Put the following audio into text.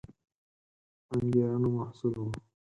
انګېرنو محصول وو